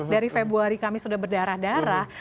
dari februari kami sudah berdarah darah